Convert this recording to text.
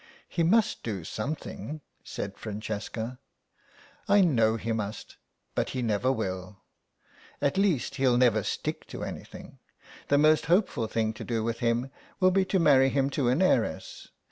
"He must do something," said Francesca. "I know he must; but he never will. At least, he'll never stick to anything. The most hopeful thing to do with him will be to marry him to an heiress.